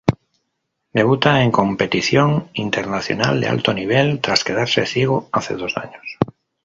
Debuta en competición internacional de alto nivel tras quedarse ciego hace dos años.